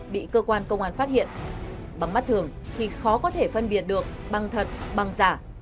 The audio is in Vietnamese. bị cơ quan công an phát hiện bằng mắt thường thì khó có thể phân biệt được bằng thật bằng giả